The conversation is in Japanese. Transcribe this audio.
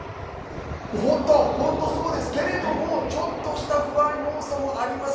本当そうなんですけどちょっとした不安要素もあります。